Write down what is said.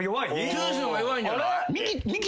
トゥース！の方が弱いんじゃない？